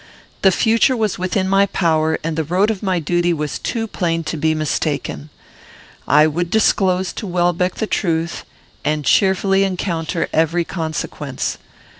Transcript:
The future was within my power, and the road of my duty was too plain to be mistaken. I would disclose to Welbeck the truth, and cheerfully encounter every consequence.